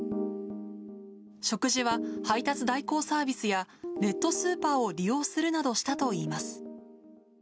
食事は、配達代行サービスやネットスーパーを利用するなどしたといいます。